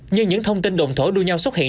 nhưng những thông tin đồng thổ đua nhau xuất hiện